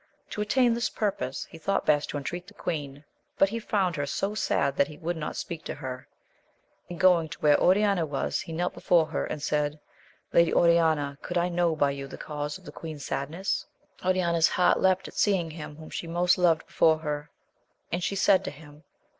To attain this purpose, he thought best to entreat the queen ; but her he found so sad AMADIS OF GAUL. 31 that he would not speak to her ; and going to where Oriana was, he knelt before her, and said, Lady Oriana, could I know by you the cause of the queen's sadness ? Oriana's heart leaped at seeing him whom she most loved before her, and she said to him.